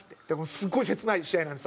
すごい切ない試合なんです